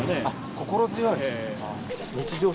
心強い。